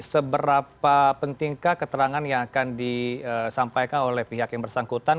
seberapa pentingkah keterangan yang akan disampaikan oleh pihak yang bersangkutan